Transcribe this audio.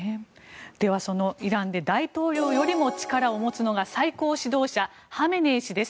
では、そのイランで大統領よりも力を持つのが最高指導者ハメネイ師です。